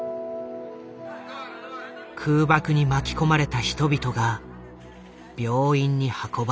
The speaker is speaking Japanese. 空爆に巻き込まれた人々が病院に運ばれてきた。